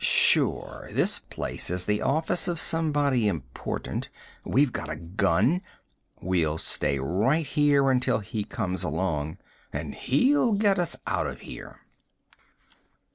"Sure. This place is the office of somebody important. We've got a gun. We'll stay right here until he comes along. And he'll get us out of here."